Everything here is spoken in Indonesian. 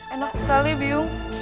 enak sekali biu